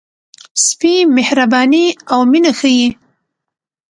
سپي مهرباني او مینه ښيي.